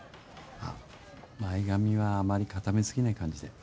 あっ、前髪はあまり固め過ぎない感じで。